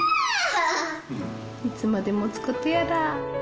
いつまでもつことやら。